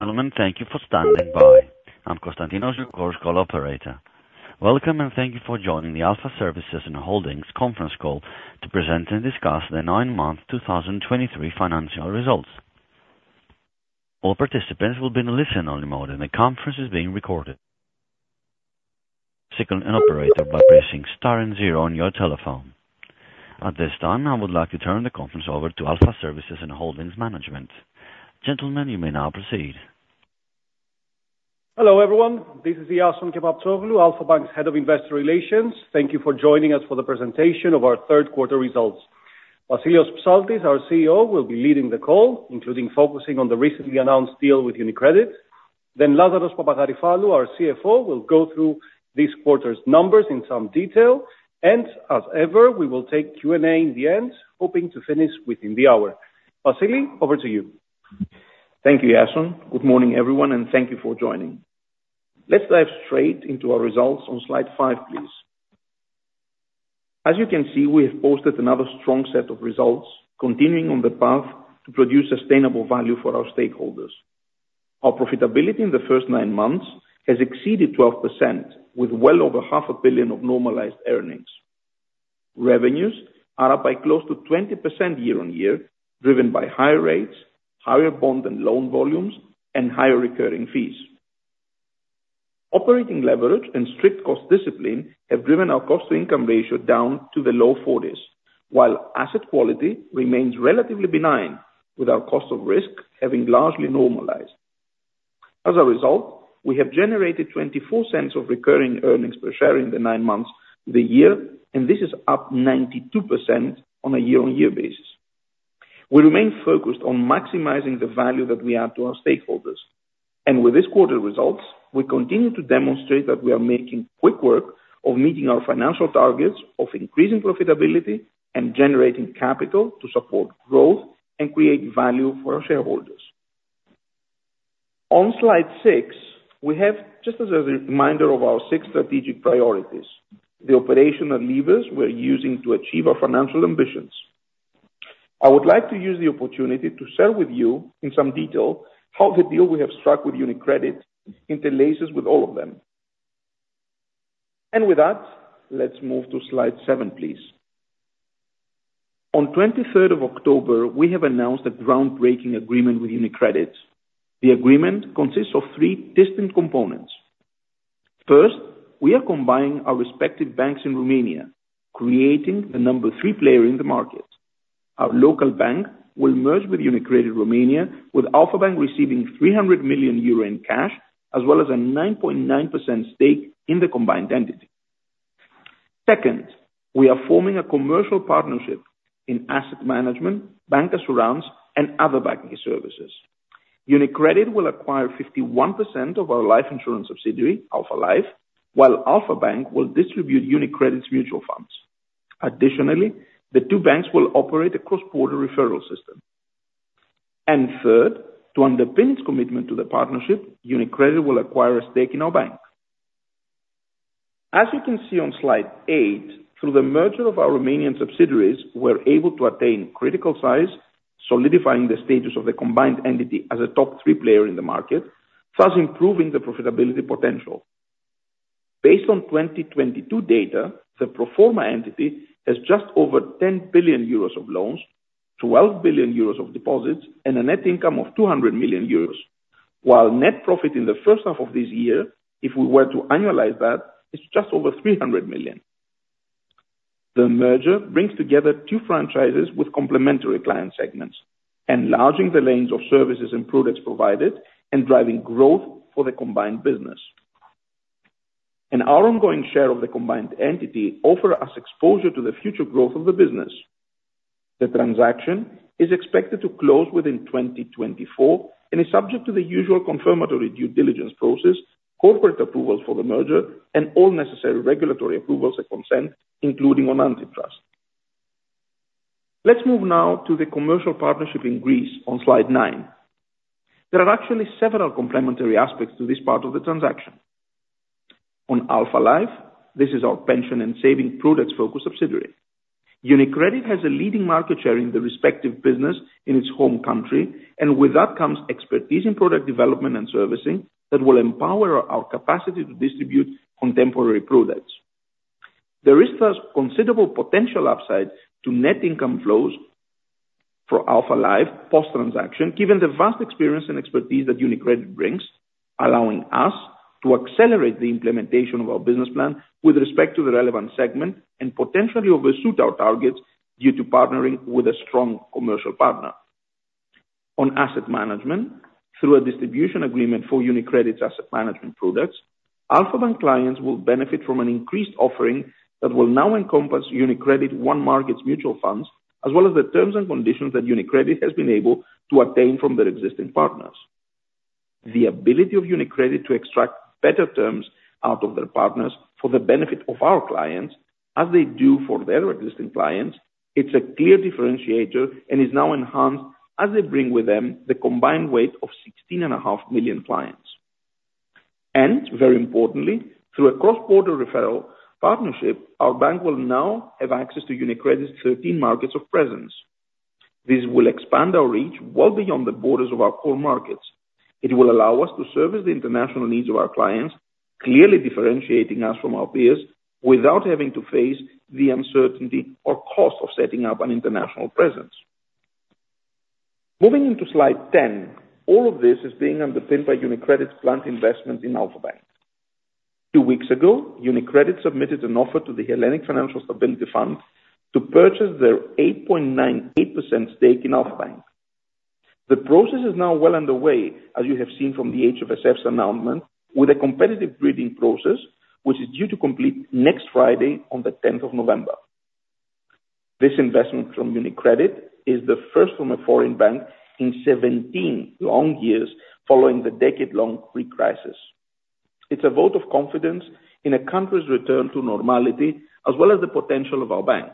Gentlemen, thank you for standing by. I'm Constantinos, your call operator. Welcome, and thank you for joining the Alpha Services and Holdings conference call to present and discuss the nine-month 2023 financial results. All participants will be in listen-only mode, and the conference is being recorded. Signal an operator by pressing star and zero on your telephone. At this time, I would like to turn the conference over to Alpha Services and Holdings management. Gentlemen, you may now proceed. Hello, everyone. This is Iason Kepaptsoglou, Alpha Bank's Head of Investor Relations. Thank you for joining us for the presentation of our Q3 results. Vassilios Psaltis, our CEO, will be leading the call, including focusing on the recently announced deal with UniCredit. Then Lazaros Papagaryfallou, our CFO, will go through this quarter's numbers in some detail, and as ever, we will take Q&A in the end, hoping to finish within the hour. Vasili, over to you. Thank you, Iason. Good morning, everyone, and thank you for joining. Let's dive straight into our results on slide 5, please. As you can see, we have posted another strong set of results, continuing on the path to produce sustainable value for our stakeholders. Our profitability in the first nine months has exceeded 12%, with well over 500 million of normalized earnings. Revenues are up by close to 20% year-on-year, driven by higher rates, higher bond and loan volumes, and higher recurring fees. Operating leverage and strict cost discipline have driven our cost-to-income ratio down to the low forties, while asset quality remains relatively benign, with our cost of risk having largely normalized. As a result, we have generated 0.24 of recurring earnings per share in the nine months of the year, and this is up 92% on a year-on-year basis. We remain focused on maximizing the value that we add to our stakeholders, and with this quarter's results, we continue to demonstrate that we are making quick work of meeting our financial targets, of increasing profitability, and generating capital to support growth and create value for our shareholders. On slide 6, we have just as a reminder of our 6 strategic priorities, the operational levers we're using to achieve our financial ambitions. I would like to use the opportunity to share with you, in some detail, how the deal we have struck with UniCredit interlaces with all of them. And with that, let's move to slide 7, please. On 23rd of October, we have announced a groundbreaking agreement with UniCredit. The agreement consists of 3 distinct components. First, we are combining our respective banks in Romania, creating the number 3 player in the market. Our local bank will merge with UniCredit Romania, with Alpha Bank receiving 300 million euro in cash, as well as a 9.9% stake in the combined entity. Second, we are forming a commercial partnership in asset management, bancassurance, and other banking services. UniCredit will acquire 51% of our life insurance subsidiary, Alpha Life, while Alpha Bank will distribute UniCredit's mutual funds. Additionally, the two banks will operate a cross-border referral system. And third, to underpin its commitment to the partnership, UniCredit will acquire a stake in our bank. As you can see on Slide 8, through the merger of our Romanian subsidiaries, we're able to attain critical size, solidifying the status of the combined entity as a top-three player in the market, thus improving the profitability potential. Based on 2022 data, the pro forma entity has just over 10 billion euros of loans, 12 billion euros of deposits, and a net income of 200 million euros, while net profit in the first half of this year, if we were to annualize that, is just over 300 million. The merger brings together two franchises with complementary client segments, enlarging the range of services and products provided and driving growth for the combined business. Our ongoing share of the combined entity offer us exposure to the future growth of the business. The transaction is expected to close within 2024 and is subject to the usual confirmatory due diligence process, corporate approvals for the merger, and all necessary regulatory approvals and consent, including on antitrust. Let's move now to the commercial partnership in Greece on slide 9. There are actually several complementary aspects to this part of the transaction. On Alpha Life, this is our pension and savings products-focused subsidiary. UniCredit has a leading market share in the respective business in its home country, and with that comes expertise in product development and servicing that will empower our capacity to distribute contemporary products. There is, thus, considerable potential upside to net income flows for Alpha Life post-transaction, given the vast experience and expertise that UniCredit brings, allowing us to accelerate the implementation of our business plan with respect to the relevant segment and potentially overshoot our targets due to partnering with a strong commercial partner. On asset management, through a distribution agreement for UniCredit's asset management products, Alpha Bank clients will benefit from an increased offering that will now encompass UniCredit oneMarkets mutual funds, as well as the terms and conditions that UniCredit has been able to obtain from their existing partners. The ability of UniCredit to extract better terms out of their partners for the benefit of our clients as they do for their existing clients, it's a clear differentiator and is now enhanced as they bring with them the combined weight of 16.5 million clients... and very importantly, through a cross-border referral partnership, our bank will now have access to UniCredit's 13 markets of presence. This will expand our reach well beyond the borders of our core markets. It will allow us to service the international needs of our clients, clearly differentiating us from our peers, without having to face the uncertainty or cost of setting up an international presence. Moving into slide 10, all of this is being underpinned by UniCredit's planned investment in Alpha Bank. Two weeks ago, UniCredit submitted an offer to the Hellenic Financial Stability Fund to purchase their 8.98% stake in Alpha Bank. The process is now well underway, as you have seen from the HFSF's announcement, with a competitive bidding process, which is due to complete next Friday on the tenth of November. This investment from UniCredit is the first from a foreign bank in 17 long years, following the decade-long Greek crisis. It's a vote of confidence in a country's return to normality, as well as the potential of our bank.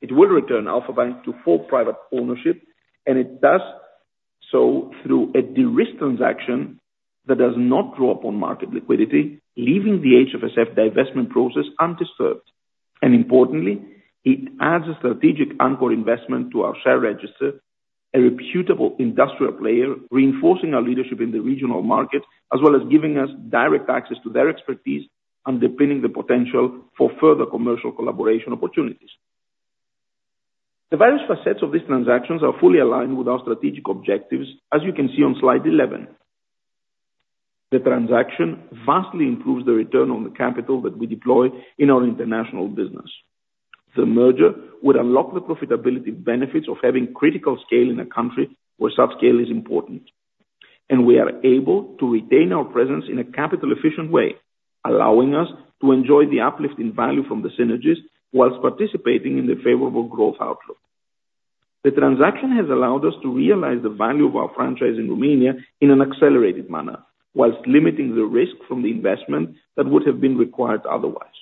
It will return Alpha Bank to full private ownership, and it does so through a de-risk transaction that does not draw upon market liquidity, leaving the HFSF divestment process undisturbed. Importantly, it adds a strategic anchor investment to our share register, a reputable industrial player, reinforcing our leadership in the regional market, as well as giving us direct access to their expertise and underpinning the potential for further commercial collaboration opportunities. The various facets of these transactions are fully aligned with our strategic objectives, as you can see on slide 11. The transaction vastly improves the return on the capital that we deploy in our international business. The merger would unlock the profitability benefits of having critical scale in a country where such scale is important, and we are able to retain our presence in a capital efficient way, allowing us to enjoy the uplift in value from the synergies while participating in the favorable growth outlook. The transaction has allowed us to realize the value of our franchise in Romania in an accelerated manner, while limiting the risk from the investment that would have been required otherwise.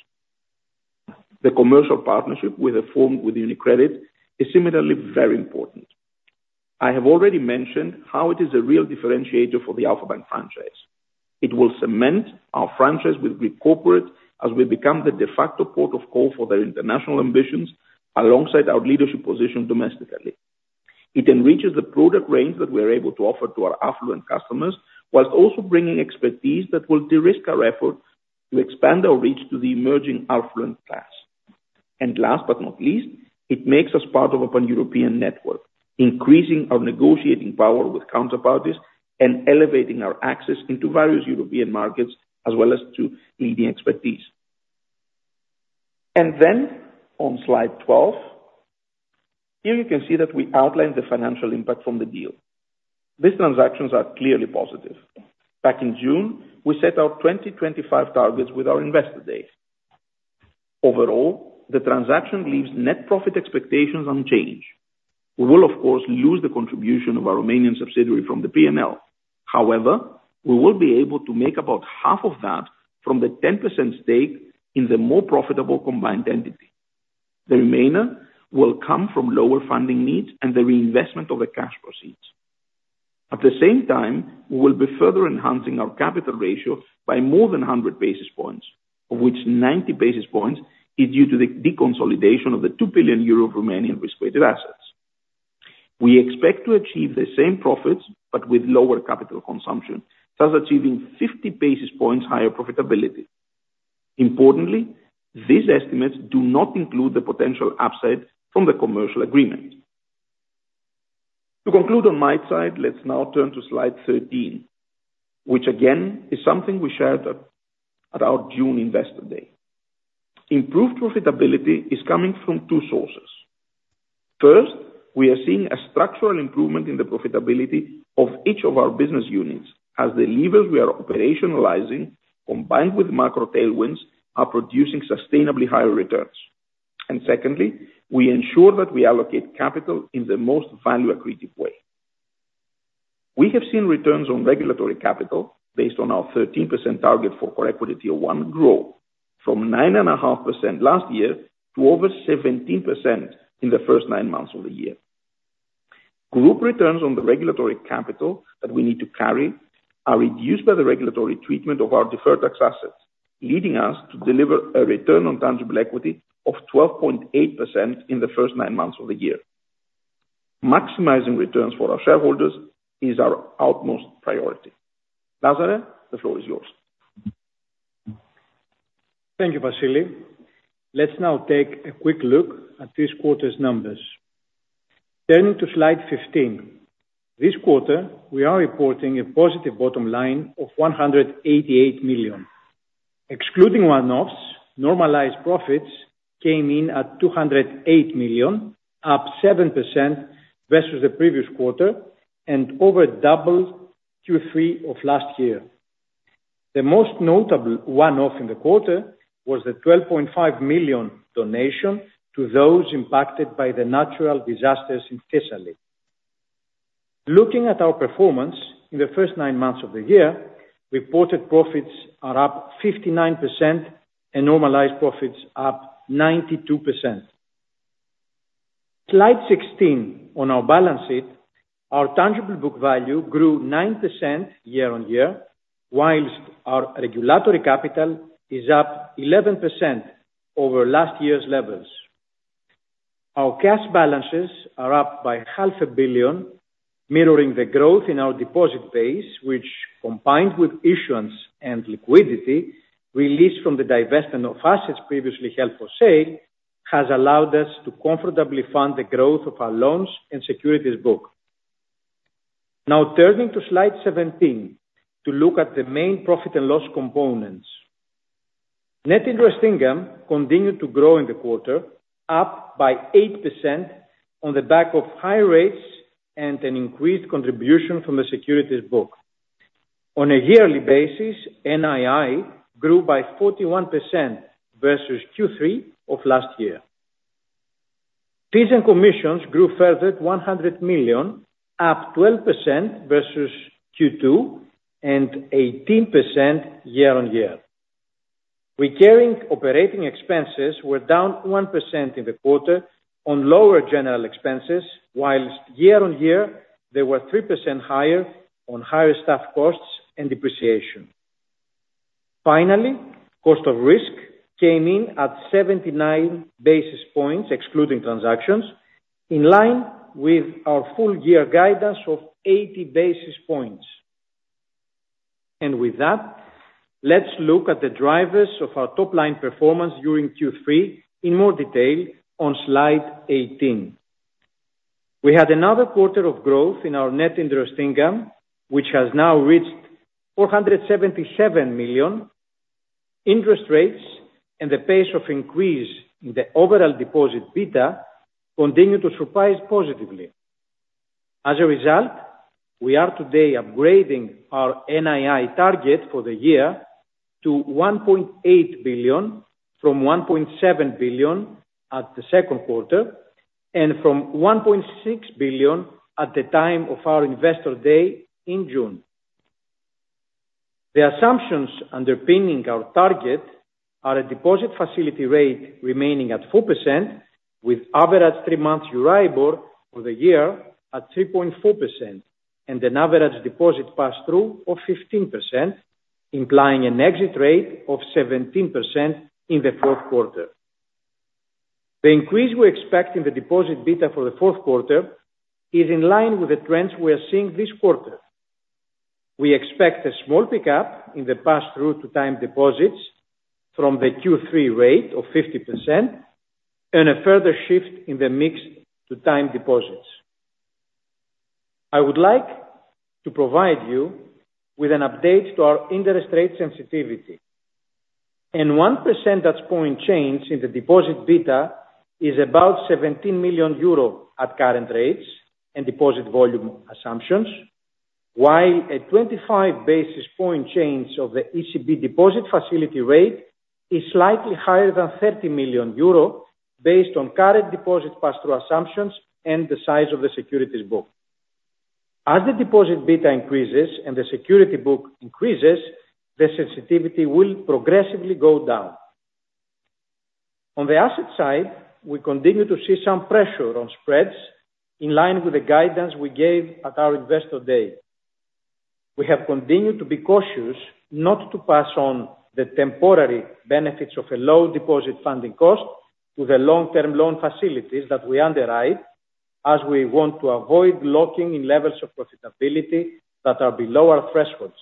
The commercial partnership with UniCredit is similarly very important. I have already mentioned how it is a real differentiator for the Alpha Bank franchise. It will cement our franchise with Greek corporate as we become the de facto port of call for their international ambitions, alongside our leadership position domestically. It enriches the product range that we're able to offer to our affluent customers, while also bringing expertise that will de-risk our efforts to expand our reach to the emerging affluent class. And last but not least, it makes us part of a Pan-European network, increasing our negotiating power with counterparties and elevating our access into various European markets, as well as to leading expertise. And then on slide 12, here you can see that we outlined the financial impact from the deal. These transactions are clearly positive. Back in June, we set our 2025 targets with our investor day. Overall, the transaction leaves net profit expectations unchanged. We will, of course, lose the contribution of our Romanian subsidiary from the P&L. However, we will be able to make about half of that from the 10% stake in the more profitable combined entity. The remainder will come from lower funding needs and the reinvestment of the cash proceeds. At the same time, we will be further enhancing our capital ratio by more than 100 basis points, of which 90 basis points is due to the deconsolidation of the 2 billion euro Romanian risk-weighted assets. We expect to achieve the same profits, but with lower capital consumption, thus achieving 50 basis points higher profitability. Importantly, these estimates do not include the potential upside from the commercial agreement. To conclude on my side, let's now turn to slide 13, which again, is something we shared at our June investor day. Improved profitability is coming from two sources. First, we are seeing a structural improvement in the profitability of each of our business units as the levers we are operationalizing, combined with macro tailwinds, are producing sustainably higher returns. Secondly, we ensure that we allocate capital in the most value accretive way. We have seen returns on regulatory capital based on our 13% target for CET1 grow from 9.5% last year to over 17% in the first nine months of the year. Group returns on the regulatory capital that we need to carry are reduced by the regulatory treatment of our deferred tax assets, leading us to deliver a return on tangible equity of 12.8% in the first nine months of the year. Maximizing returns for our shareholders is our utmost priority. Lazaros, the floor is yours. Thank you, Vassili. Let's now take a quick look at this quarter's numbers. Turning to slide 15. This quarter, we are reporting a positive bottom line of 188 million. Excluding one-offs, normalized profits came in at 208 million, up 7% versus the previous quarter and over double Q3 of last year. The most notable one-off in the quarter was the 12.5 million donation to those impacted by the natural disasters in Thessaly. Looking at our performance in the first nine months of the year, reported profits are up 59% and normalized profits up 92%. Slide 16, on our balance sheet, our tangible book value grew 9% year-over-year, while our regulatory capital is up 11% over last year's levels. Our cash balances are up by 500 million, mirroring the growth in our deposit base, which, combined with issuance and liquidity released from the divestment of assets previously held for sale, has allowed us to comfortably fund the growth of our loans and securities book. Now turning to slide 17, to look at the main profit and loss components. Net interest income continued to grow in the quarter, up by 8% on the back of high rates and an increased contribution from the securities book. On a yearly basis, NII grew by 41% versus Q3 of last year. Fees and commissions grew further to 100 million, up 12% versus Q2, and 18% year-on-year. Recurring operating expenses were down 1% in the quarter on lower general expenses, while year-on-year, they were 3% higher on higher staff costs and depreciation. Finally, cost of risk came in at 79 basis points, excluding transactions, in line with our full year guidance of 80 basis points. With that, let's look at the drivers of our top line performance during Q3 in more detail on slide 18. We had another quarter of growth in our net interest income, which has now reached 477 million. Interest rates and the pace of increase in the overall deposit beta continue to surprise positively. As a result, we are today upgrading our NII target for the year to 1.8 billion, from 1.7 billion at the Q2, and from 1.6 billion at the time of our investor day in June. The assumptions underpinning our target are a deposit facility rate remaining at 4%, with average three-month Euribor for the year at 3.4%, and an average deposit pass-through of 15%, implying an exit rate of 17% in the Q4. The increase we expect in the deposit beta for the Q4 is in line with the trends we are seeing this quarter. We expect a small pickup in the pass-through to time deposits from the Q3 rate of 50% and a further shift in the mix to time deposits. I would like to provide you with an update to our interest rate sensitivity. 1 percentage point change in the deposit beta is about 17 million euro at current rates and deposit volume assumptions, while a 25 basis point change of the ECB deposit facility rate is slightly higher than 30 million euro, based on current deposit pass-through assumptions and the size of the securities book. As the deposit beta increases and the security book increases, the sensitivity will progressively go down. On the asset side, we continue to see some pressure on spreads in line with the guidance we gave at our investor day. We have continued to be cautious not to pass on the temporary benefits of a low deposit funding cost to the long-term loan facilities that we underwrite, as we want to avoid locking in levels of profitability that are below our thresholds.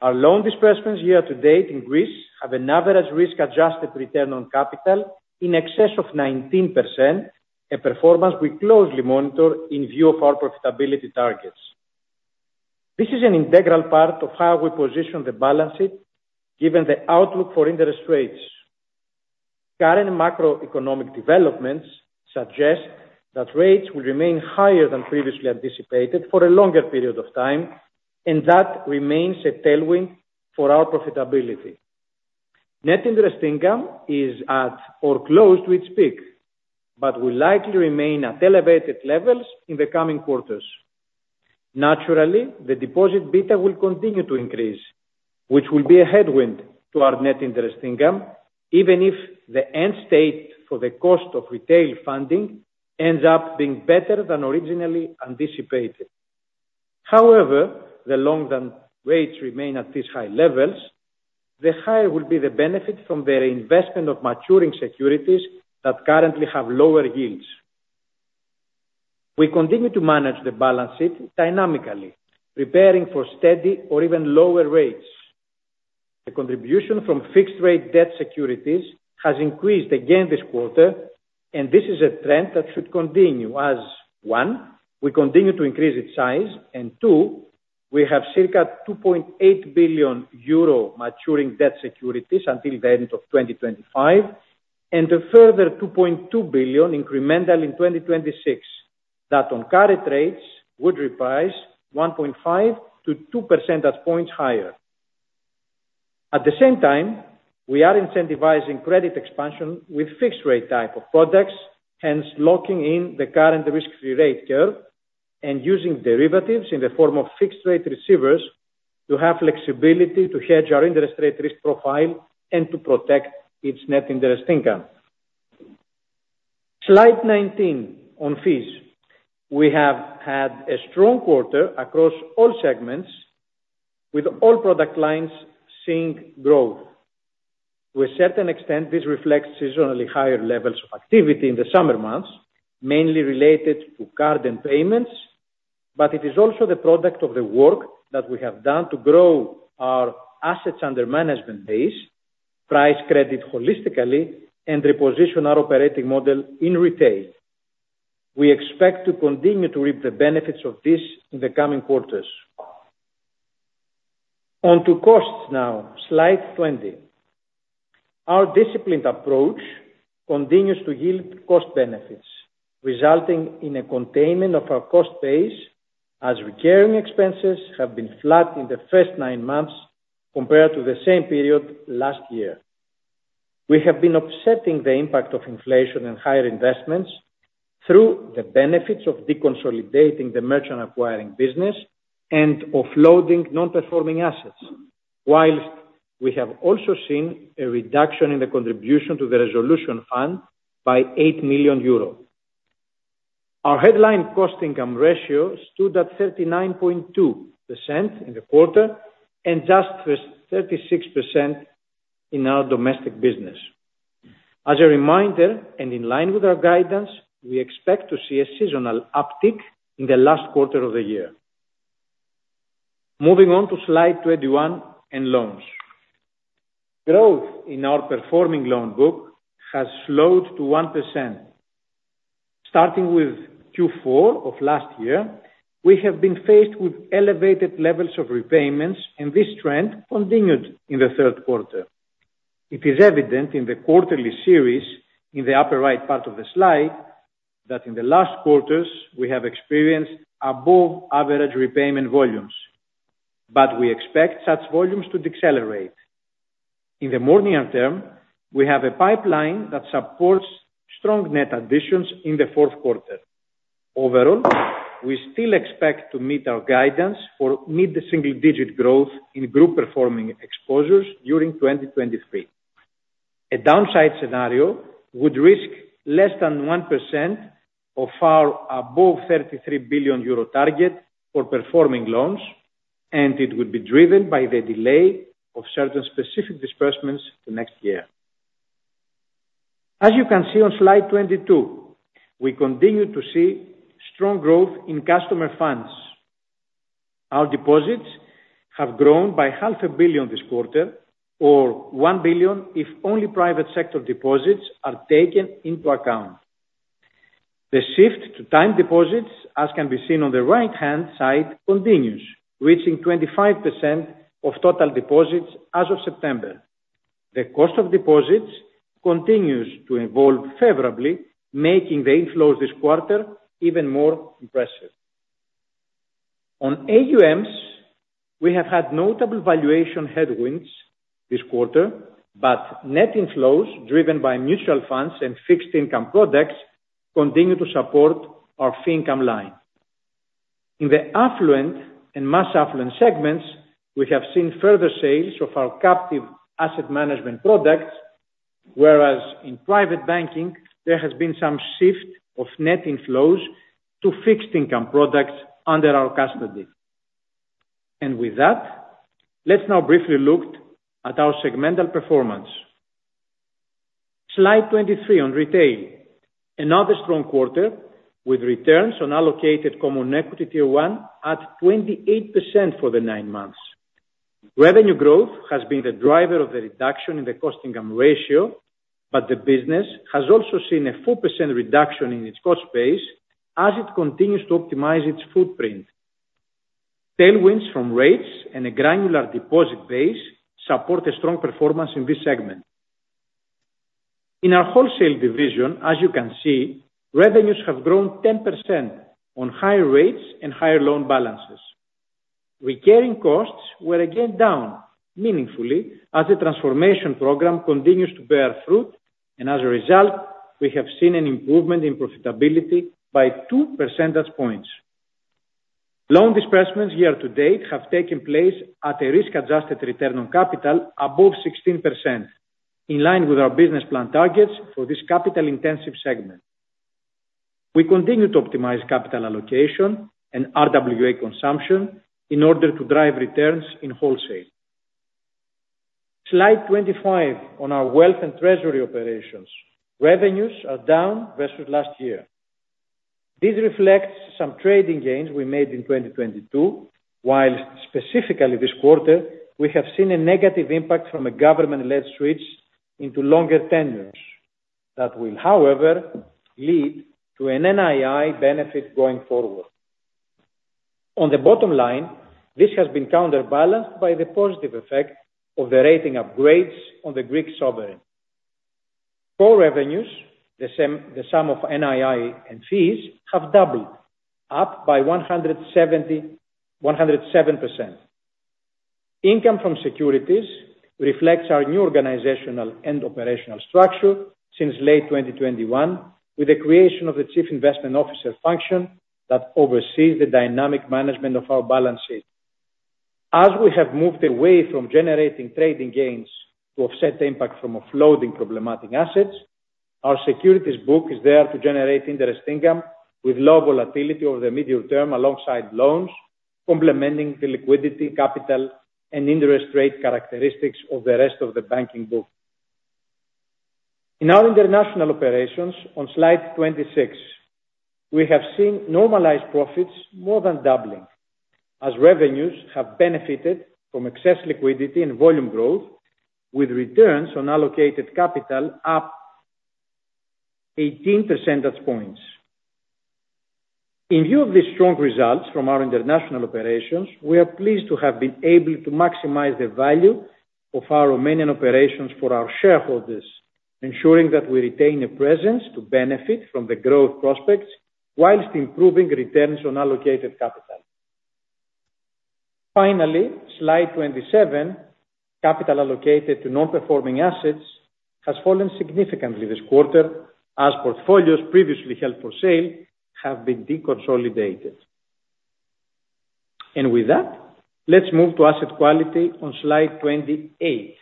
Our loan disbursements year to date in Greece have an average risk-adjusted return on capital in excess of 19%, a performance we closely monitor in view of our profitability targets. This is an integral part of how we position the balance sheet, given the outlook for interest rates. Current macroeconomic developments suggest that rates will remain higher than previously anticipated for a longer period of time, and that remains a tailwind for our profitability. Net interest income is at or close to its peak, but will likely remain at elevated levels in the coming quarters. Naturally, the deposit beta will continue to increase, which will be a headwind to our net interest income, even if the end state for the cost of retail funding ends up being better than originally anticipated. However, the longer rates remain at these high levels, the higher will be the benefit from the reinvestment of maturing securities that currently have lower yields. We continue to manage the balance sheet dynamically, preparing for steady or even lower rates. The contribution from fixed rate debt securities has increased again this quarter, and this is a trend that should continue as, one, we continue to increase its size, and two, we have circa 2.8 billion euro maturing debt securities until the end of 2025, and a further 2.2 billion incremental in 2026. That on current rates would reprice 1.5%-2% percentage points higher. At the same time, we are incentivizing credit expansion with fixed rate type of products, hence locking in the current risk-free rate curve and Using derivatives in the form of fixed rate receivers to have flexibility to hedge our interest rate risk profile and to protect its net interest income. Slide 19, on fees. We have had a strong quarter across all segments, with all product lines seeing growth. To a certain extent, this reflects seasonally higher levels of activity in the summer months, mainly related to card and payments, but it is also the product of the work that we have done to grow our assets under management base, price credit holistically, and reposition our operating model in retail. We expect to continue to reap the benefits of this in the coming quarters. On to costs now, slide 20. Our disciplined approach continues to yield cost benefits, resulting in a containment of our cost base as recurring expenses have been flat in the first nine months compared to the same period last year. We have been offsetting the impact of inflation and higher investments through the benefits of deconsolidating the merchant acquiring business and offloading non-performing assets, while we have also seen a reduction in the contribution to the resolution fund by 8 million euros. Our headline cost income ratio stood at 39.2% in the quarter, and just 36% in our domestic business. As a reminder, and in line with our guidance, we expect to see a seasonal uptick in the last quarter of the year. Moving on to slide 21, in loans. Growth in our performing loan book has slowed to 1%. Starting with Q4 of last year, we have been faced with elevated levels of repayments, and this trend continued in the Q3. It is evident in the quarterly series, in the upper right part of the slide, that in the last quarters we have experienced above average repayment volumes, but we expect such volumes to decelerate. In the medium term, we have a pipeline that supports strong net additions in the Q4. Overall, we still expect to meet our guidance for mid to single digit growth in group performing exposures during 2023. A downside scenario would risk less than 1% of our above 33 billion euro target for performing loans, and it would be driven by the delay of certain specific disbursements to next year. As you can see on slide 22, we continue to see strong growth in customer funds. Our deposits have grown by 500 million this quarter, or 1 billion, if only private sector deposits are taken into account. The shift to time deposits, as can be seen on the right-hand side, continues, reaching 25% of total deposits as of September. The cost of deposits continues to evolve favorably, making the inflows this quarter even more impressive. On AUMs, we have had notable valuation headwinds this quarter, but net inflows, driven by mutual funds and fixed income products, continue to support our fee income line. In the affluent and mass affluent segments, we have seen further sales of our captive asset management products, whereas in private banking, there has been some shift of net inflows to fixed income products under our custody. And with that, let's now briefly look at our segmental performance. Slide 23 on retail. Another strong quarter, with returns on allocated Common Equity Tier 1 at 28% for the nine months. Revenue growth has been the driver of the reduction in the cost income ratio, but the business has also seen a 4% reduction in its cost base as it continues to optimize its footprint. Tailwinds from rates and a granular deposit base support a strong performance in this segment. In our wholesale division, as you can see, revenues have grown 10% on higher rates and higher loan balances. Recurring costs were again down meaningfully as the transformation program continues to bear fruit, and as a result, we have seen an improvement in profitability by 2 percentage points. Loan disbursements year to date have taken place at a risk-adjusted return on capital above 16%, in line with our business plan targets for this capital intensive segment. We continue to optimize capital allocation and RWA consumption in order to drive returns in wholesale. Slide 25 on our wealth and treasury operations. Revenues are down versus last year. This reflects some trading gains we made in 2022, while specifically this quarter, we have seen a negative impact from a government-led switch into longer tenures. That will, however, lead to an NII benefit going forward. On the bottom line, this has been counterbalanced by the positive effect of the rating upgrades on the Greek sovereign. Core revenues, the same, the sum of NII and fees, have doubled, up by 107%.... Income from securities reflects our new organizational and operational structure since late 2021, with the creation of the Chief Investment Officer function that oversees the dynamic management of our balance sheet. As we have moved away from generating trading gains to offset the impact from offloading problematic assets, our securities book is there to generate interest income with low volatility over the medium term, alongside loans, complementing the liquidity, capital, and interest rate characteristics of the rest of the banking book. In our international operations, on slide 26, we have seen normalized profits more than doubling, as revenues have benefited from excess liquidity and volume growth, with returns on allocated capital up 18 percentage points. In view of these strong results from our international operations, we are pleased to have been able to maximize the value of our Romanian operations for our shareholders, ensuring that we retain a presence to benefit from the growth prospects while improving returns on allocated capital. Finally, Slide 27, capital allocated to non-performing assets has fallen significantly this quarter, as portfolios previously held for sale have been deconsolidated. With that, let's move to asset quality on Slide 28.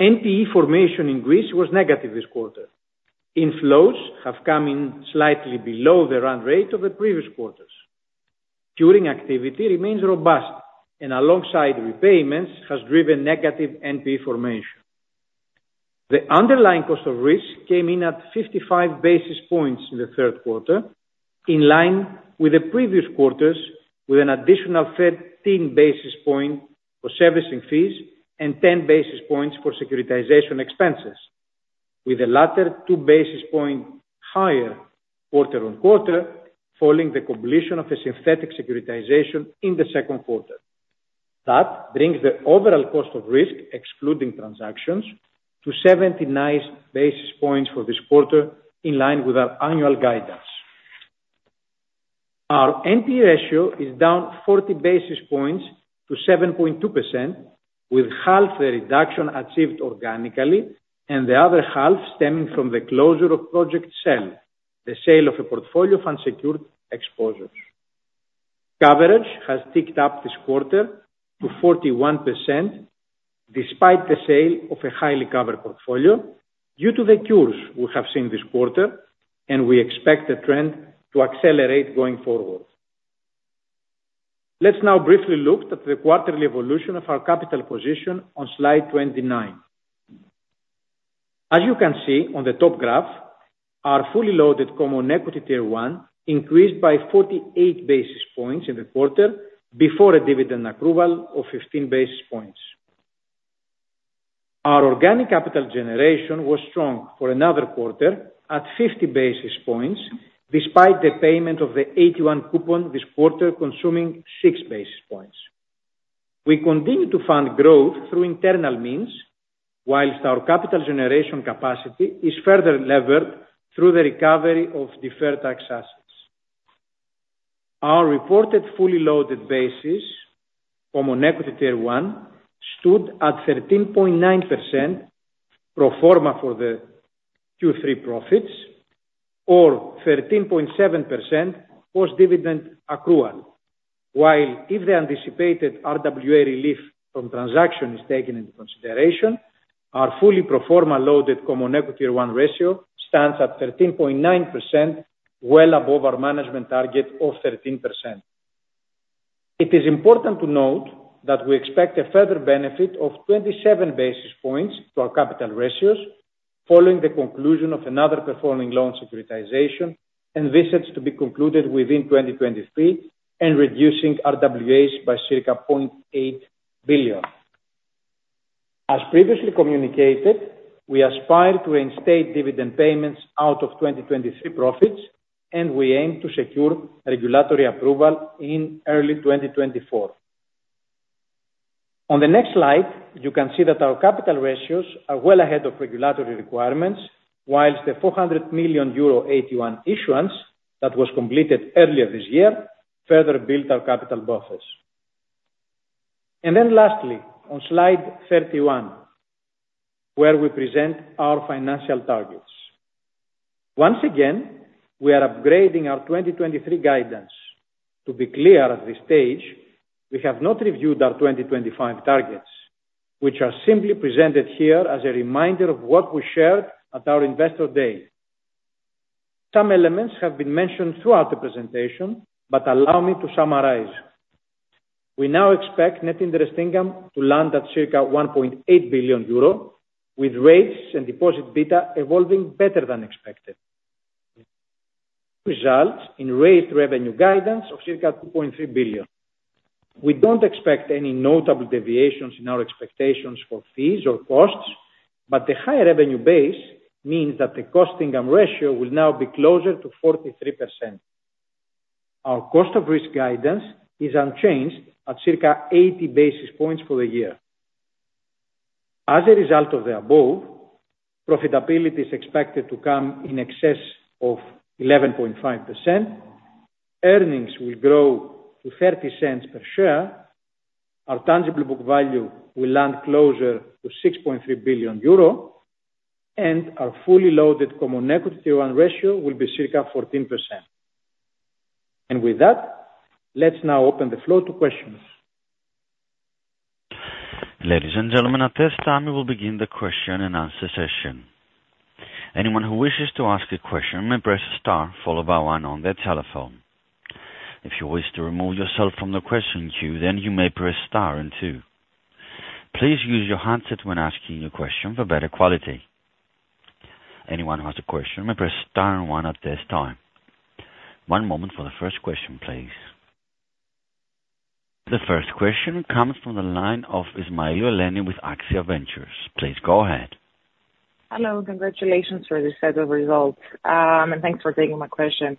NPE formation in Greece was negative this quarter. Inflows have come in slightly below the run rate of the previous quarters. Curing activity remains robust, and alongside repayments, has driven negative NPE formation. The underlying cost of risk came in at 55 basis points in the Q3, in line with the previous quarters, with an additional 13 basis points for servicing fees and 10 basis points for securitization expenses, with the latter 2 basis points higher quarter-on-quarter, following the completion of a synthetic securitization in the Q2. That brings the overall cost of risk, excluding transactions, to 79 basis points for this quarter, in line with our annual guidance. Our NPE ratio is down 40 basis points to 7.2%, with half the reduction achieved organically and the other half stemming from the closure of Project Cell, the sale of a portfolio of unsecured exposures. Coverage has ticked up this quarter to 41%, despite the sale of a highly covered portfolio, due to the cures we have seen this quarter, and we expect the trend to accelerate going forward. Let's now briefly look at the quarterly evolution of our capital position on slide 29. As you can see on the top graph, our fully loaded common equity tier one increased by 48 basis points in the quarter before a dividend accrual of 15 basis points. Our organic capital generation was strong for another quarter at 50 basis points, despite the payment of the AT1 coupon this quarter, consuming 6 basis points. We continue to fund growth through internal means, while our capital generation capacity is further levered through the recovery of deferred tax assets. Our reported fully loaded Common Equity Tier 1 stood at 13.9% pro forma for the Q3 profits, or 13.7% post-dividend accrual, while if the anticipated RWA relief from transaction is taken into consideration, our fully pro forma loaded Common Equity Tier 1 ratio stands at 13.9%, well above our management target of 13%. It is important to note that we expect a further benefit of 27 basis points to our capital ratios following the conclusion of another performing loan securitization, and this is to be concluded within 2023, and reducing RWAs by circa 0.8 billion. As previously communicated, we aspire to reinstate dividend payments out of 2023 profits, and we aim to secure regulatory approval in early 2024. On the next slide, you can see that our capital ratios are well ahead of regulatory requirements, while the 400 million euro AT1 issuance that was completed earlier this year further built our capital buffers. Then lastly, on slide 31, where we present our financial targets. Once again, we are upgrading our 2023 guidance. To be clear, at this stage, we have not reviewed our 2025 targets, which are simply presented here as a reminder of what we shared at our investor day. Some elements have been mentioned throughout the presentation, but allow me to summarize. We now expect net interest income to land at circa 1.8 billion euro, with rates and deposit beta evolving better than expected. Results in raised revenue guidance of circa 2.3 billion. We don't expect any notable deviations in our expectations for fees or costs, but the high revenue base means that the cost income ratio will now be closer to 43%. Our cost of risk guidance is unchanged at circa 80 basis points for the year. As a result of the above, profitability is expected to come in excess of 11.5%. Earnings will grow to 0.30 per share. Our tangible book value will land closer to 6.3 billion euro, and our fully loaded Common Equity Tier 1 ratio will be circa 14%. And with that, let's now open the floor to questions. Ladies and gentlemen, at this time, we will begin the question and answer session. Anyone who wishes to ask a question may press star followed by one on their telephone. If you wish to remove yourself from the question queue, then you may press star and two. Please use your handset when asking your question for better quality. Anyone who has a question may press star and one at this time. One moment for the first question, please. The first question comes from the line of Eleni Ismailou with Axia Ventures. Please go ahead. Hello. Congratulations for this set of results, and thanks for taking my question.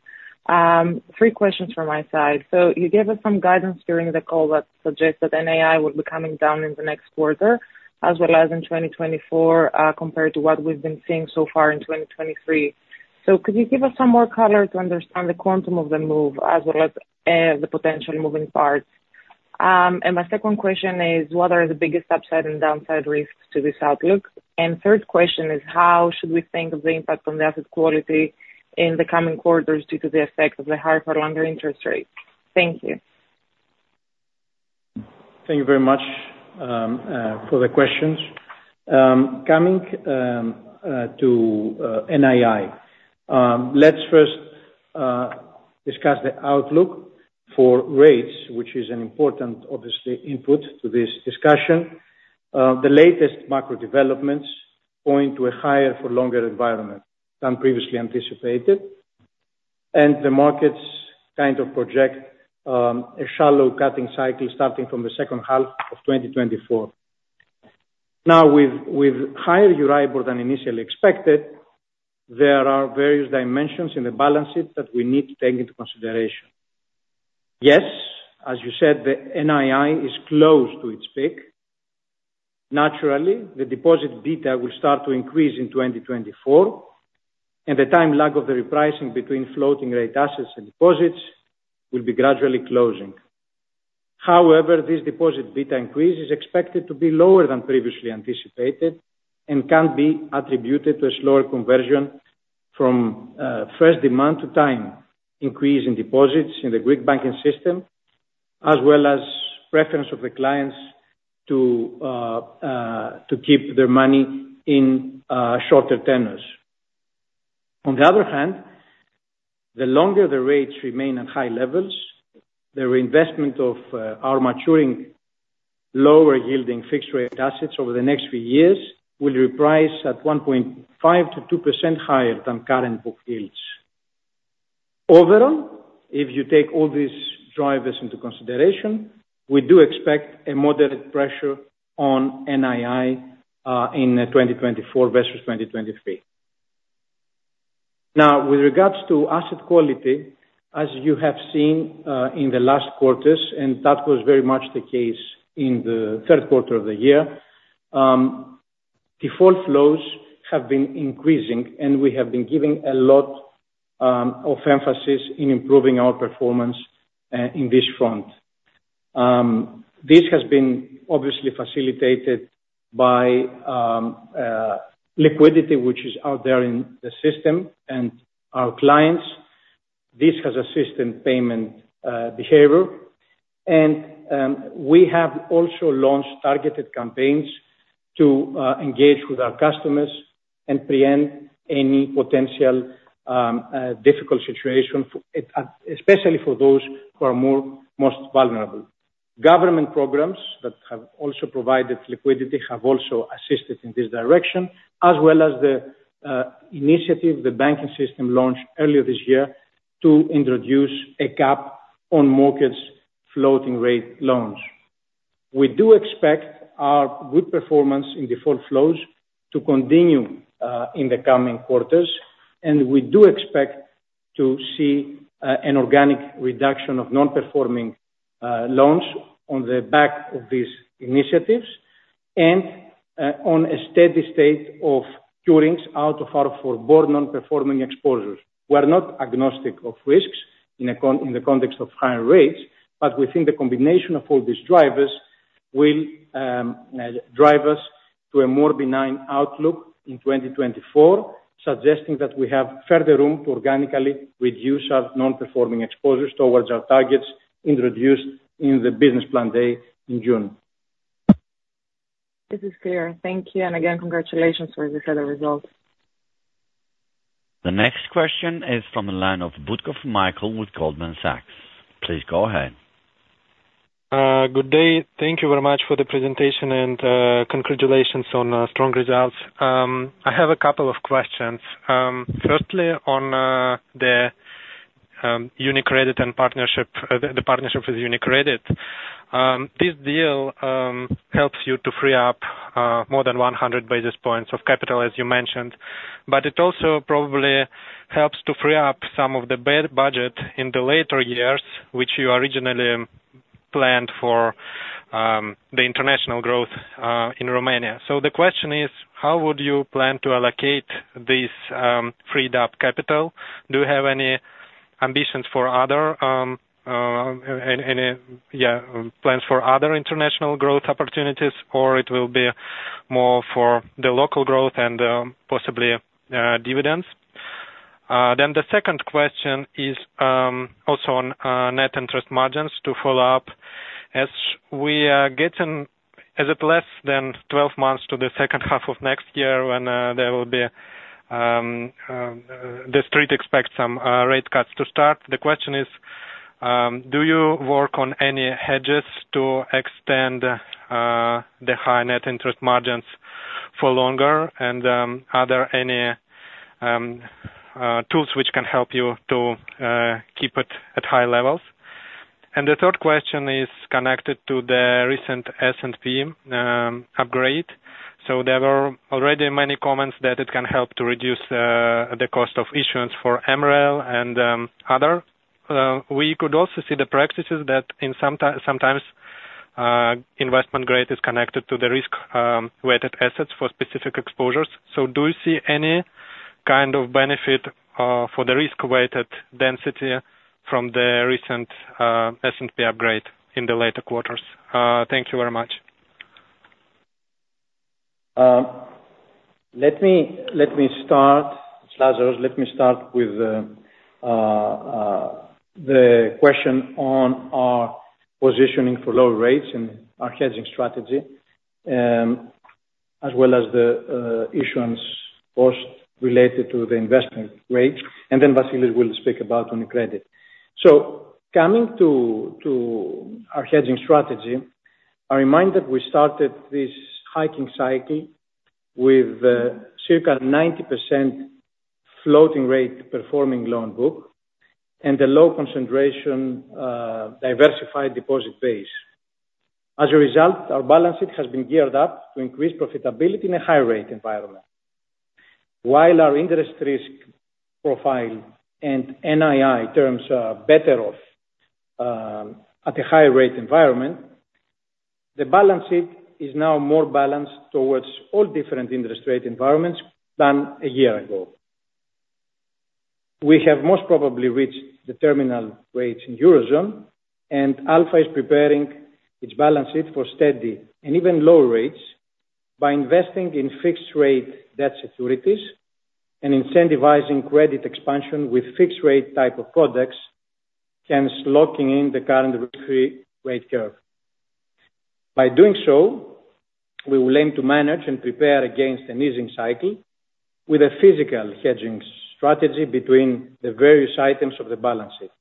Three questions from my side. So you gave us some guidance during the call that suggests that NII will be coming down in the next quarter, as well as in 2024, compared to what we've been seeing so far in 2023. So could you give us some more color to understand the quantum of the move as well as, the potential moving parts? And my second question is, what are the biggest upside and downside risks to this outlook? And third question is, how should we think of the impact on the asset quality in the coming quarters due to the effect of the higher for longer interest rates? Thank you. Thank you very much for the questions. Coming to NII. Let's first discuss the outlook for rates, which is an important, obviously, input to this discussion. The latest macro developments point to a higher for longer environment than previously anticipated, and the markets kind of project a shallow cutting cycle starting from the second half of 2024. Now, with higher Euribor than initially expected, there are various dimensions in the balance sheet that we need to take into consideration. Yes, as you said, the NII is close to its peak. Naturally, the deposit beta will start to increase in 2024, and the time lag of the repricing between floating rate assets and deposits will be gradually closing. However, this deposit beta increase is expected to be lower than previously anticipated, and can be attributed to a slower conversion from first demand to time increase in deposits in the Greek banking system, as well as preference of the clients to keep their money in shorter tenors. On the other hand, the longer the rates remain at high levels, the reinvestment of our maturing, lower yielding fixed rate assets over the next few years will reprice at 1.5%-2% higher than current book yields. Overall, if you take all these drivers into consideration, we do expect a moderate pressure on NII in 2024 versus 2023. Now, with regards to asset quality, as you have seen, in the last quarters, and that was very much the case in the Q3 of the year, default flows have been increasing, and we have been giving a lot of emphasis in improving our performance in this front. This has been obviously facilitated by liquidity, which is out there in the system and our clients. This has assisted payment behavior, and we have also launched targeted campaigns to engage with our customers and preempt any potential difficult situation, especially for those who are most vulnerable. Government programs that have also provided liquidity have also assisted in this direction, as well as the initiative the banking system launched earlier this year to introduce a cap on mortgage floating rate loans. We do expect our good performance in default flows to continue in the coming quarters, and we do expect to see an organic reduction of non-performing loans on the back of these initiatives and on a steady state of curings out of our forborne non-performing exposures. We are not agnostic of risks in the context of higher rates, but we think the combination of all these drivers will drive us to a more benign outlook in 2024, suggesting that we have further room to organically reduce our non-performing exposures towards our targets introduced in the business plan day in June. This is clear. Thank you, and again, congratulations for this set of results. The next question is from the line of Mikhail Butkov with Goldman Sachs. Please go ahead. Good day. Thank you very much for the presentation, and congratulations on strong results. I have a couple of questions. Firstly, on the UniCredit partnership, the partnership with UniCredit. This deal helps you to free up more than 100 basis points of capital, as you mentioned. But it also probably helps to free up some of the bad budget in the later years, which you originally planned for the international growth in Romania. So the question is, how would you plan to allocate this freed up capital? Do you have any ambitions for other any plans for other international growth opportunities, or it will be more for the local growth and possibly dividends? Then the second question is also on net interest margins to follow up. As we are getting, is it less than 12 months to the second half of next year when there will be the street expects some rate cuts to start? The question is, do you work on any hedges to extend the high net interest margins for longer, and are there any tools which can help you to keep it at high levels? And the third question is connected to the recent S&P upgrade. So there were already many comments that it can help to reduce the cost of issuance for MREL and other. We could also see the practices that in sometimes investment grade is connected to the risk-weighted assets for specific exposures. Do you see any kind of benefit for the risk-weighted density from the recent S&P upgrade in the later quarters? Thank you very much. Let me, let me start, Lazaros, let me start with the question on our positioning for low rates and our hedging strategy, as well as the issuance cost related to the investment rate, and then Vassilios will speak about on credit. So coming to our hedging strategy, I remind that we started this hiking cycle with circa 90% floating rate performing loan book, and a low concentration diversified deposit base. As a result, our balance sheet has been geared up to increase profitability in a high rate environment. While our interest risk profile and NII terms are better off at a high rate environment, the balance sheet is now more balanced towards all different interest rate environments than a year ago. We have most probably reached the terminal rates in Eurozone, and Alpha is preparing its balance sheet for steady and even lower rates by investing in fixed rate debt securities and incentivizing credit expansion with fixed rate type of products, hence locking in the current rate, rate curve. By doing so, we will aim to manage and prepare against an easing cycle with a physical hedging strategy between the various items of the balance sheet.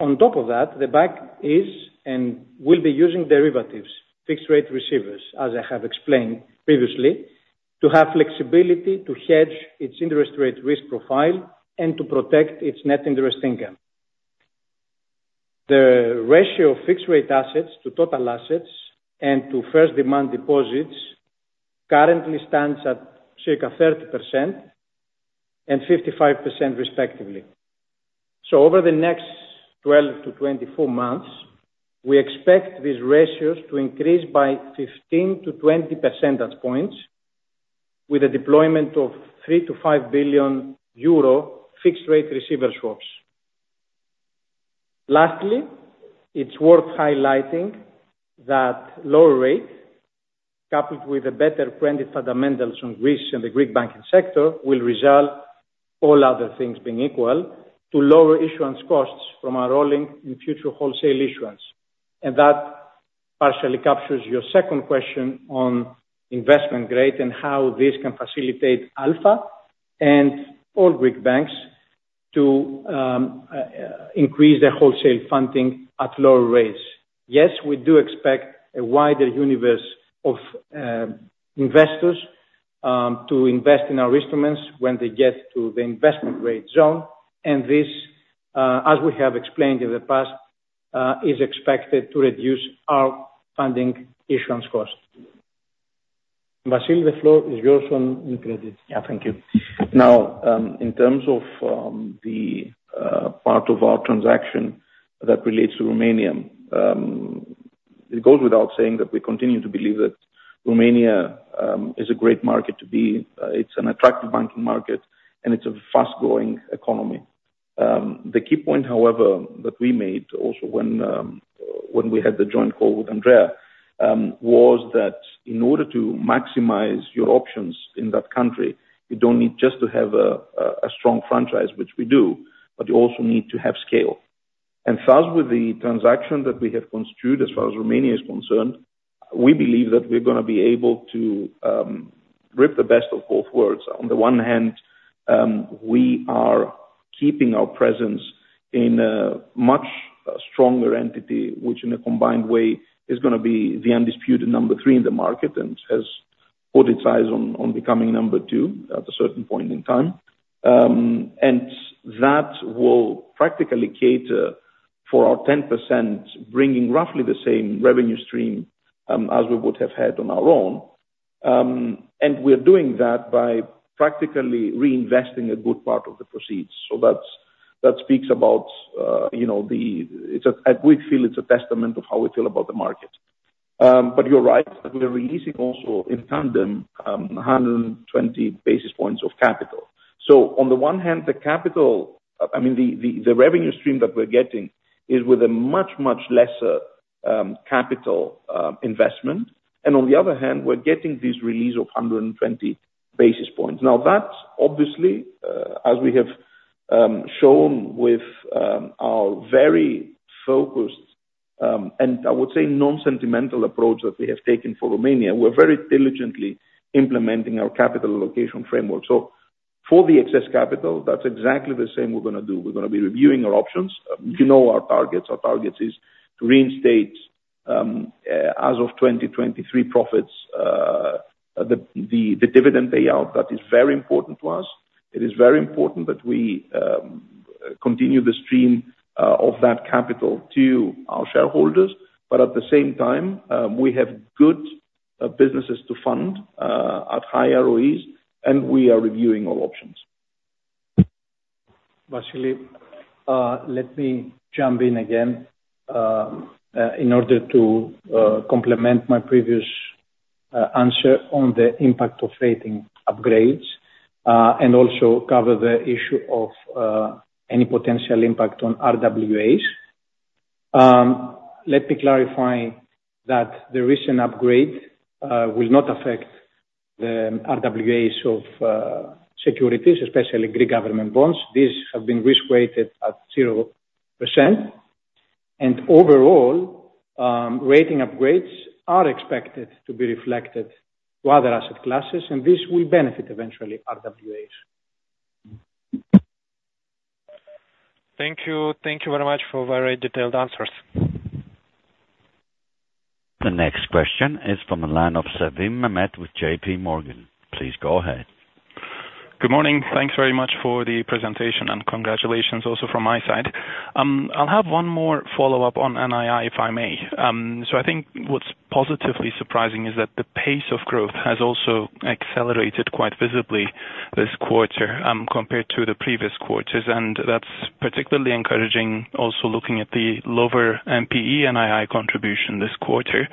On top of that, the bank is and will be using derivatives, fixed rate receivers, as I have explained previously, to have flexibility to hedge its interest rate risk profile and to protect its net interest income. The ratio of fixed rate assets to total assets and to first demand deposits currently stands at circa 30% and 55% respectively. So over the next 12-24 months, we expect these ratios to increase by 15-20 percentage points with a deployment of 3-5 billion euro fixed rate receiver swaps. Lastly, it's worth highlighting that lower rates, coupled with a better credit fundamentals on Greece and the Greek banking sector, will result, all other things being equal, to lower issuance costs from our rolling and future wholesale issuance. That partially captures your second question on investment grade and how this can facilitate Alpha and all Greek banks to increase their wholesale funding at lower rates. Yes, we do expect a wider universe of investors to invest in our instruments when they get to the investment grade zone, and this as we have explained in the past is expected to reduce our funding issuance cost. Vasilis, the floor is yours on new credit. Yeah, thank you. Now, in terms of the part of our transaction that relates to Romania, it goes without saying that we continue to believe that Romania is a great market to be. It's an attractive banking market, and it's a fast-growing economy. The key point, however, that we made also when we had the joint call with Andrea was that in order to maximize your options in that country, you don't need just to have a strong franchise, which we do, but you also need to have scale. And as with the transaction that we have structured, as far as Romania is concerned, we believe that we're gonna be able to reap the best of both worlds. On the one hand, we are keeping our presence in a much stronger entity, which in a combined way is gonna be the undisputed number three in the market, and has put its eyes on becoming number two at a certain point in time. That will practically cater for our 10%, bringing roughly the same revenue stream as we would have had on our own. We're doing that by practically reinvesting a good part of the proceeds, so that's, that speaks about, you know, the, it's a, and we feel it's a testament of how we feel about the market. But you're right, that we're releasing also in tandem 120 basis points of capital. So on the one hand, the capital, I mean, the revenue stream that we're getting is with a much, much lesser capital investment, and on the other hand, we're getting this release of 120 basis points. Now, that's obviously, as we have shown with our very focused, and I would say non-sentimental approach that we have taken for Romania, we're very diligently implementing our capital allocation framework. So for the excess capital, that's exactly the same we're gonna do. We're gonna be reviewing our options. You know, our targets is to reinstate, as of 2023 profits, the dividend payout, that is very important to us. It is very important that we continue the stream of that capital to our shareholders, but at the same time, we have good businesses to fund at high ROEs, and we are reviewing our options. Vassilios, let me jump in again, in order to complement my previous answer on the impact of rating upgrades, and also cover the issue of any potential impact on RWAs. Let me clarify that the recent upgrade will not affect the RWAs of securities, especially Greek government bonds. These have been risk-weighted at 0%, and overall, rating upgrades are expected to be reflected to other asset classes, and this will benefit eventually RWAs. Thank you. Thank you very much for very detailed answers. The next question is from the line of Mehmet Sevim with JP Morgan. Please go ahead. Good morning. Thanks very much for the presentation, and congratulations also from my side. I'll have one more follow-up on NII, if I may. So I think what's positively surprising is that the pace of growth has also accelerated quite visibly this quarter, compared to the previous quarters, and that's particularly encouraging, also looking at the lower NPE and NII contribution this quarter.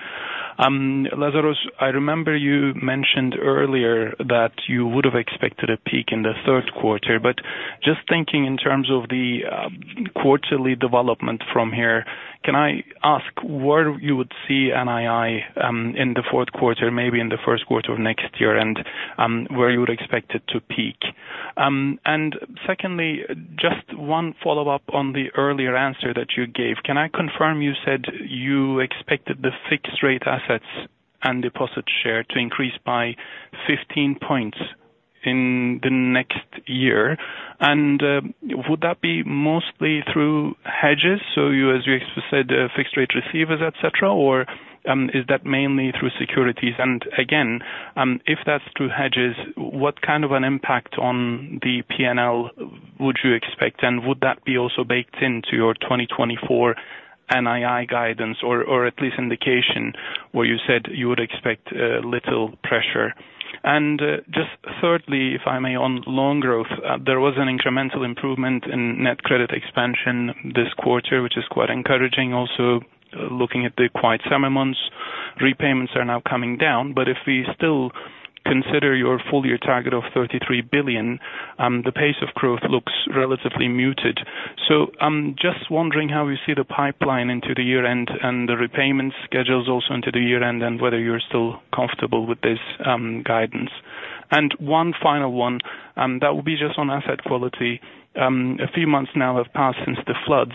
Lazaros, I remember you mentioned earlier that you would have expected a peak in the Q3, but just thinking in terms of the quarterly development from here, can I ask where you would see NII in the Q4, maybe in the Q1 of next year, and where you would expect it to peak? And secondly, just one follow-up on the earlier answer that you gave. Can I confirm you said you expected the fixed rate assets and deposit share to increase by 15 points in the next year? And, would that be mostly through hedges, so you, as you said, fixed rate receivers, et cetera, or, is that mainly through securities? And again, if that's through hedges, what kind of an impact on the P&L would you expect, and would that be also baked into your 2024 NII guidance, or, or at least indication, where you said you would expect, little pressure? And, just thirdly, if I may, on loan growth, there was an incremental improvement in net credit expansion this quarter, which is quite encouraging, also looking at the quiet summer months. Repayments are now coming down, but if we still consider your full year target of 33 billion, the pace of growth looks relatively muted. So I'm just wondering how you see the pipeline into the year-end and the repayment schedules also into the year-end, and whether you're still comfortable with this, guidance. And one final one, that will be just on asset quality. A few months now have passed since the floods.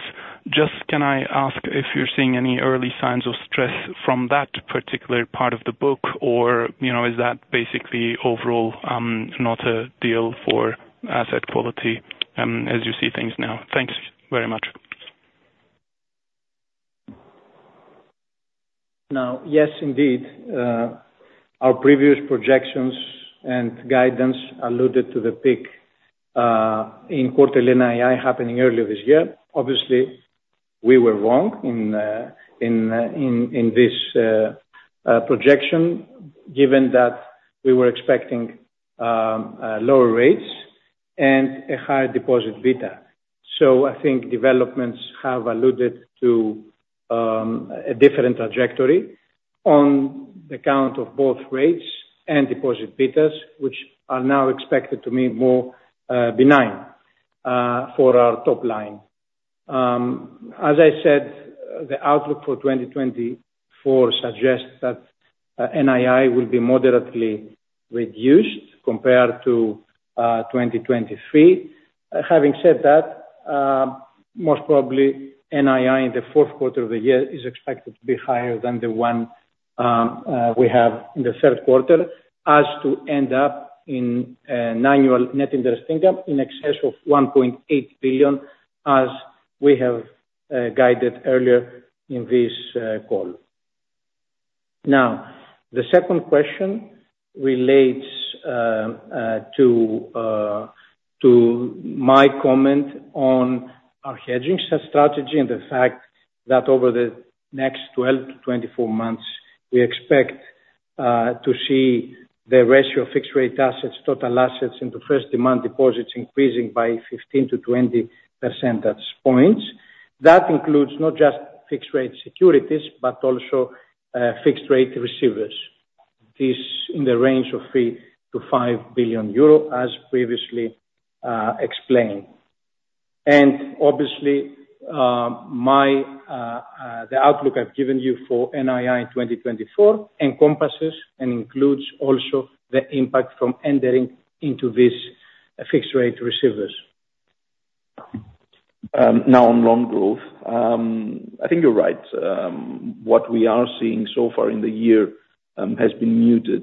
Just, can I ask if you're seeing any early signs of stress from that particular part of the book, or, you know, is that basically overall, not a deal for asset quality, as you see things now? Thanks very much. Now, yes, indeed, our previous projections and guidance alluded to the peak in quarter NII happening earlier this year. Obviously, we were wrong in this projection, given that we were expecting lower rates and a higher deposit beta. So I think developments have alluded to a different trajectory on the count of both rates and deposit betas, which are now expected to be more benign for our top line. As I said, the outlook for 2024 suggests that NII will be moderately reduced compared to 2023. Having said that, most probably NII in the Q4 of the year is expected to be higher than the one we have in the Q3, as to end up in annual net interest income in excess of 1.8 billion, as we have guided earlier in this call. The second question relates to my comment on our hedging strategy, and the fact that over the next 12-24 months, we expect to see the ratio of fixed rate assets, total assets, into first demand deposits increasing by 15-20 percentage points. That includes not just fixed rate securities, but also fixed rate receivers. This, in the range of 3-5 billion euro, as previously explained. Obviously, the outlook I've given you for NII in 2024 encompasses and includes also the impact from entering into these fixed rate receivers. Now on loan growth, I think you're right. What we are seeing so far in the year has been muted.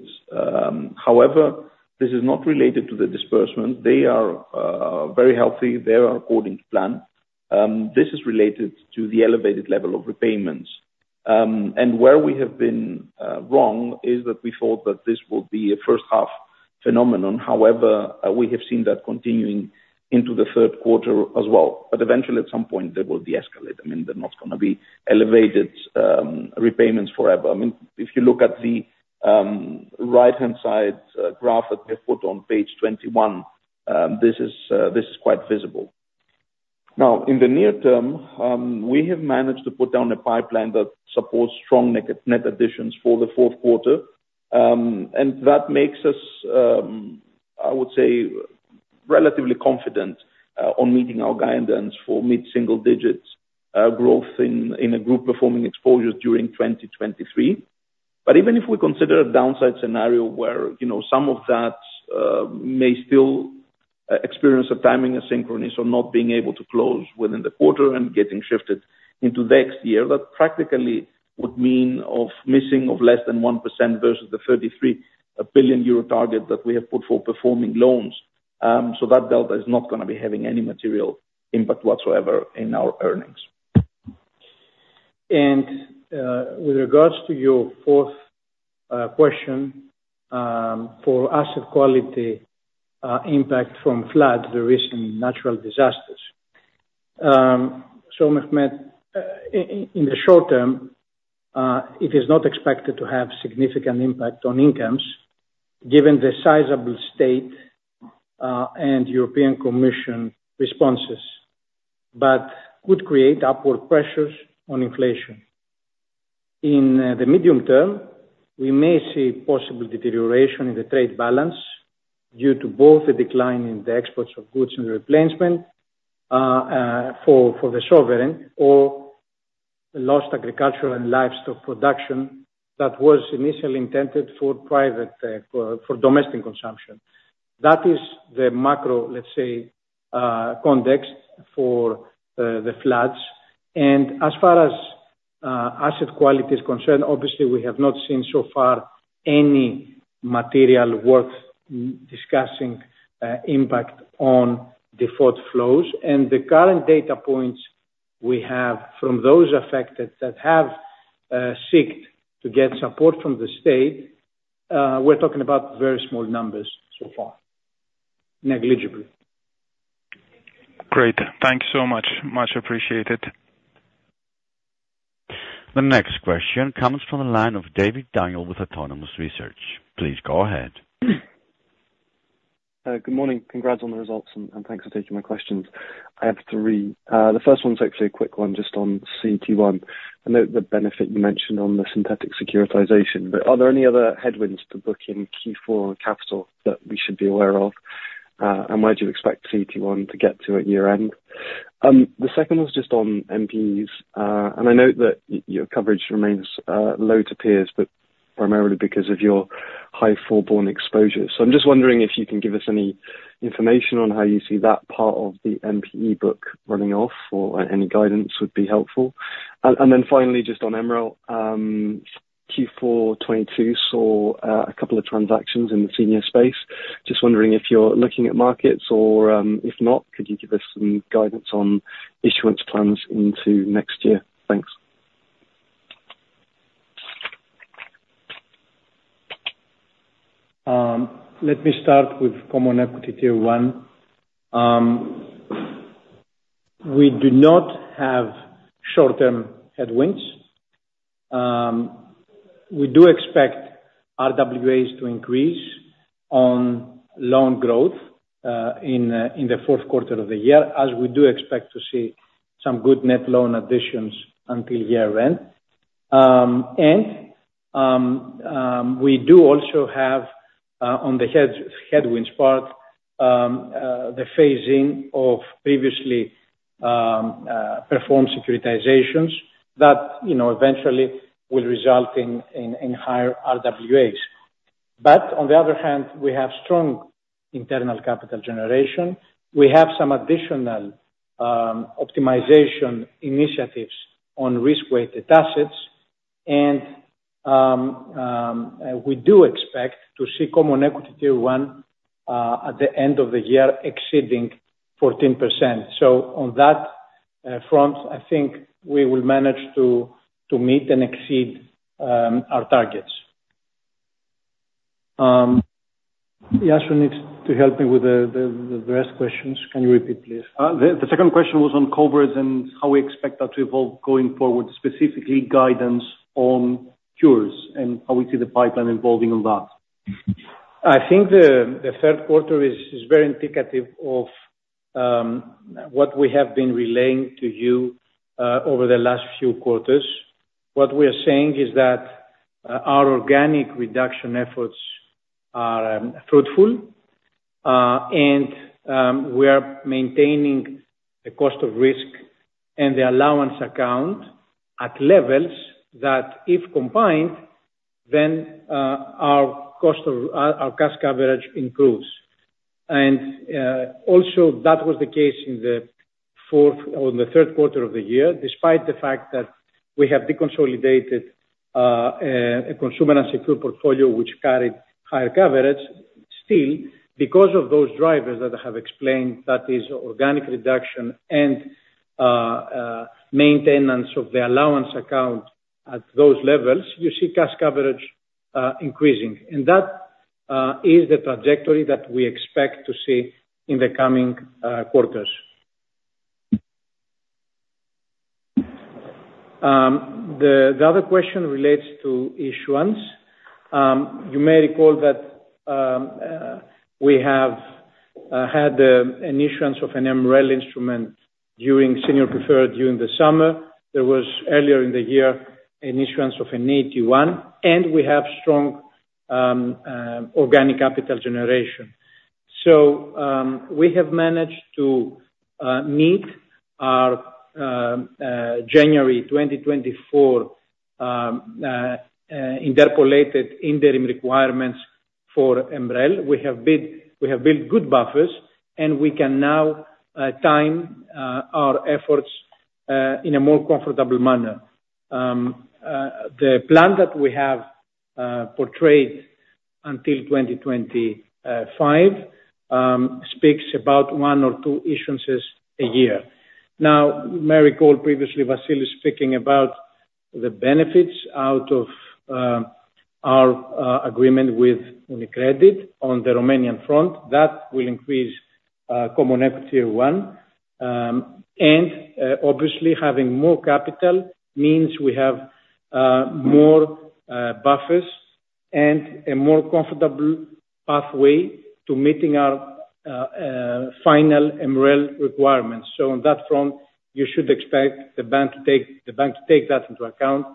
However, this is not related to the disbursement. They are very healthy. They are according to plan. This is related to the elevated level of repayments. And where we have been wrong is that we thought that this would be a first half phenomenon. However, we have seen that continuing into the Q3 as well, but eventually at some point, they will de-escalate. I mean, they're not gonna be elevated repayments forever. I mean, if you look at the right-hand side graph that we have put on page 21, this is quite visible. Now, in the near term, we have managed to put down a pipeline that supports strong net additions for the Q4, and that makes us, I would say, relatively confident on meeting our guidance for mid-single digits growth in a group performing exposures during 2023. But even if we consider a downside scenario where, you know, some of that may still experience a timing asynchrony, so not being able to close within the quarter and getting shifted into the next year, that practically would mean of missing of less than 1% versus the 33 billion euro target that we have put for performing loans. So that delta is not gonna be having any material impact whatsoever in our earnings. With regards to your fourth question for asset quality impact from floods, the recent natural disasters. So Mehmet, in the short term, it is not expected to have significant impact on incomes, given the sizable state and European Commission responses, but could create upward pressures on inflation. In the medium term, we may see possible deterioration in the trade balance due to both the decline in the exports of goods and replacement for the sovereign or lost agricultural and livestock production that was initially intended for private for domestic consumption. That is the macro, let's say, context for the floods. As far as asset quality is concerned, obviously we have not seen so far any material worth discussing impact on default flows, and the current data points we have from those affected that have sought to get support from the state, we're talking about very small numbers so far. Negligibly. Great. Thank you so much. Much appreciated. The next question comes from the line of David Daniel with Autonomous Research. Please, go ahead. Good morning. Congrats on the results, and thanks for taking my questions. I have three. The first one is actually a quick one, just on CET1. I note the benefit you mentioned on the synthetic securitization, but are there any other headwinds to book in Q4 capital that we should be aware of? And where do you expect CET1 to get to at year-end? The second was just on NPEs, and I note that your coverage remains low to peers, but primarily because of your high foreign exposure. So I'm just wondering if you can give us any information on how you see that part of the NPE book running off, or any guidance would be helpful. And then finally, just on MREL, Q4 2022 saw a couple of transactions in the senior space. Just wondering if you're looking at markets or, if not, could you give us some guidance on issuance plans into next year? Thanks. Let me start with Common Equity Tier 1. We do not have short-term headwinds. We do expect RWAs to increase on loan growth in the Q4 of the year, as we do expect to see some good net loan additions until year-end. We do also have on the headwinds part the phasing of previously performed securitizations that, you know, eventually will result in higher RWAs. But on the other hand, we have strong internal capital generation. We have some additional optimization initiatives on risk-weighted assets, and we do expect to see Common Equity Tier 1 at the end of the year exceeding 14%. So on that front, I think we will manage to meet and exceed our targets. Iason needs to help me with the rest questions. Can you repeat, please? The second question was on coverage and how we expect that to evolve going forward, specifically guidance on cures and how we see the pipeline evolving on that. I think the Q3 is very indicative of what we have been relaying to you over the last few quarters. What we are saying is that our organic reduction efforts are fruitful, and we are maintaining the cost of risk and the allowance account at levels that, if combined, our cash coverage improves. Also, that was the case in the fourth or the Q3 of the year, despite the fact that we have deconsolidated a consumer and secure portfolio, which carried higher coverage. Still, because of those drivers that I have explained, that is organic reduction and maintenance of the allowance account at those levels, you see cash coverage increasing, and that is the trajectory that we expect to see in the coming quarters. The other question relates to issuance. You may recall that we have had an issuance of an MREL instrument during senior preferred, during the summer. There was earlier in the year an issuance of an AT1, and we have strong organic capital generation. So, we have managed to meet our January 2024 interpolated interim requirements for MREL. We have built good buffers, and we can now time our efforts in a more comfortable manner. The plan that we have portrayed until 2025 speaks about one or two issuances a year. Now, You may recall previously, Vasilis speaking about the benefits out of our agreement with UniCredit on the Romanian front. That will increase Common Equity Tier 1, and obviously, having more capital means we have more buffers and a more comfortable pathway to meeting our final MREL requirements. So on that front, you should expect the bank to take that into account,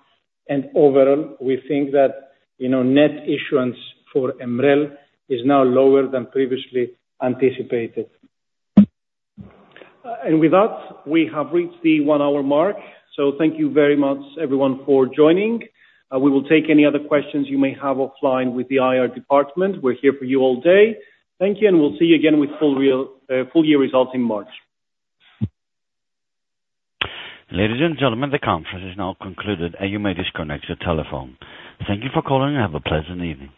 and overall, we think that, you know, net issuance for MREL is now lower than previously anticipated. With that, we have reached the one-hour mark, so thank you very much, everyone, for joining. We will take any other questions you may have offline with the IR department. We're here for you all day. Thank you, and we'll see you again with full year results in March. Ladies and gentlemen, the conference is now concluded, and you may disconnect your telephone. Thank you for calling, and have a pleasant evening.